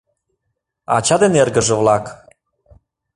АЧА ДЕН ЭРГЫЖЕ-ВЛАК